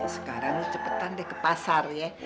sekarang cepetan deh ke pasar ya